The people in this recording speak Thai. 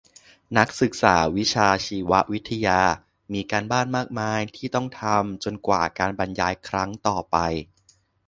นักศึกษาวิชาชีววิทยามีการบ้านมากมายที่ต้องทำจนกว่าการบรรยายครั้งต่อไป